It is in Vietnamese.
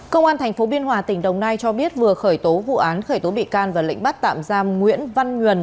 công an tp biên hòa tỉnh đồng nai cho biết vừa khởi tố vụ án khởi tố bị can và lệnh bắt tạm giam nguyễn văn nguyền